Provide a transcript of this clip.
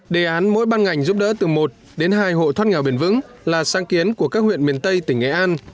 đề án mỗi ban ngành giúp đỡ từ một đến hai hộ thoát nghèo bền vững là sáng kiến của các huyện miền tây tỉnh nghệ an